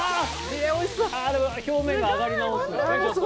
でも表面が揚がり直す。